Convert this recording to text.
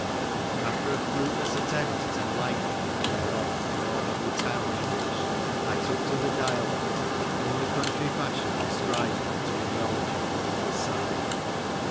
After a fruitless attempt at enlightening him thereon in ordinary town English, I took to the dialect, and in the country fashion described my genealogy, on the mother's side.